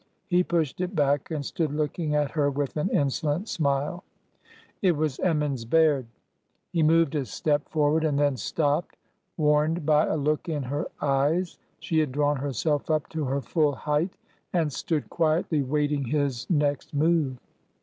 He pushed it back and stood looking at her with an insolent smile. It was Emmons Baird. He moved a step forward and then stopped, warned by THE SACK OF KESWICK 279 a look in her eyes. She had drawn herself up to her full height and stood quietly waiting his next move.